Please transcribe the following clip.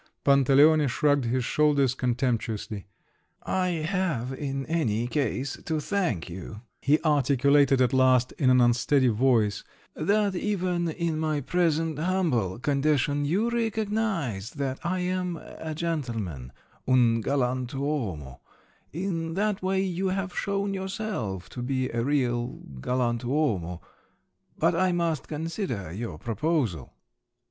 "Che!" Pantaleone shrugged his shoulders contemptuously. "I have, in any case, to thank you," he articulated at last in an unsteady voice "that even in my present humble condition you recognise that I am a gentleman—un galant'uomo! In that way you have shown yourself to be a real galant'uomo. But I must consider your proposal."